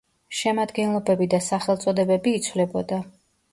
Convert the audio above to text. შემადგენლობები და სახელწოდებები იცვლებოდა.